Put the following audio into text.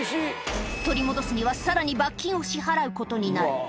取り戻すにはさらに罰金を支払うことになる。